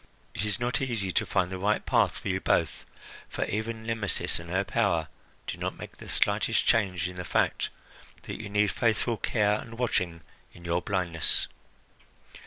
It is not easy to find the right path for you both, for even Nemesis and her power do not make the slightest change in the fact that you need faithful care and watching in your blindness.